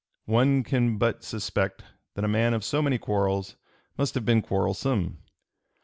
One can but suspect (p. 297) that a man of so many quarrels must have been quarrelsome.